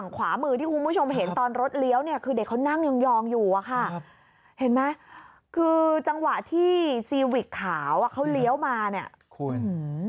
ค่ะเห็นไหมคือจังหวะที่ซีวิกขาวอะเขาเลี้ยวมานี่